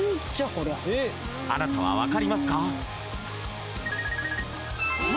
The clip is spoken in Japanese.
あなたは分かりますか？